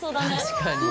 確かに。